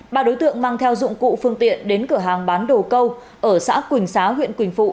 ba đối tượng mang theo dụng cụ phương tiện đến cửa hàng bán đồ câu ở xã quỳnh xá huyện quỳnh phụ